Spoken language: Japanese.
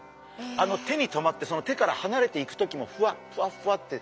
手にとまって手から離れていく時もふわっふわっふわって。